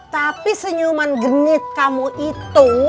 tapi senyuman genit kamu itu